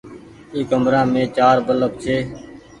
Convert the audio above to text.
اي ڪمرآ مين چآر بلڦ ڇي۔